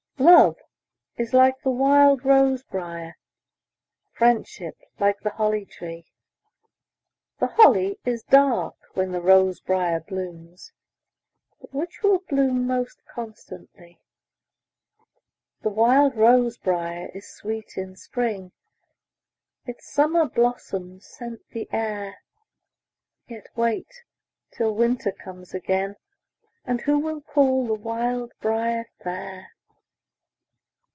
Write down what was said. Love is like the wild rose briar; Friendship like the holly tree. The holly is dark when the rose briar blooms, But which will bloom most constantly? The wild rose briar is sweet in spring, Its summer blossoms scent the air; Yet wait till winter comes again, And who will call the wild briar fair?